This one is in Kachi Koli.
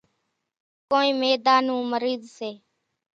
ڪونئين ميڌا نون مريض سي۔